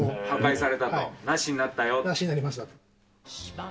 破壊されたと、なしになったなしになりました。